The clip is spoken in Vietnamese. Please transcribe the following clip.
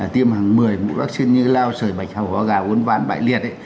tiêm hàng một mươi mũ vaccine như lao sời bạch hầu hóa gà uốn ván bại liệt